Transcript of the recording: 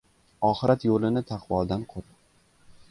— Oxirat yo‘lini taqvodan qur.